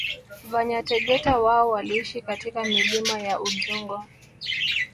Vanyategeta wao waliishi katika milima ya Udzungwa